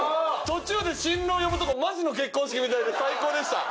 途中で新郎呼ぶとこマジの結婚式みたいで最高でした。